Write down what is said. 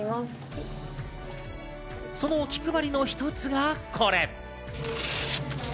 その気配りの一つがこれ。